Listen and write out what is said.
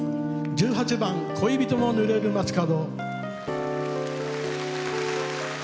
１８番「恋人も濡れる街角」。